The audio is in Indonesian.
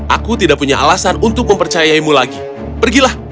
aku tidak punya alasan untuk mempercayaimu lagi pergilah